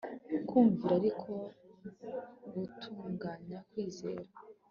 kumvira ariko gutunganya kwizera